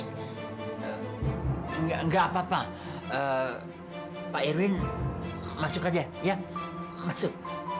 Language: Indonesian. nggak apa apa pak irwin masuk saja ya masuk